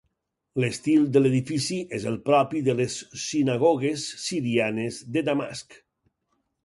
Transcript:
L'estil de l'edifici, és el propi de les sinagogues sirianes de Damasc.